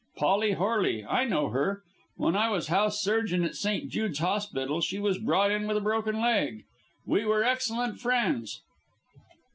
Polly Horley! I know her! When I was house surgeon at St. Jude's Hospital she was brought in with a broken leg. We were excellent friends."